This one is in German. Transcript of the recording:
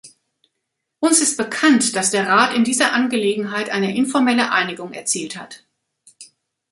Uns ist bekannt, dass der Rat in dieser Angelegenheit eine informelle Einigung erzielt hat.